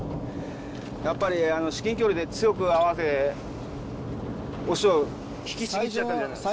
やっぱり至近距離で強く合わせお師匠引きちぎっちゃったんじゃないですか？